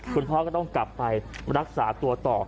คุณพ่อก็ต้องกลับไปรักษาตัวต่อ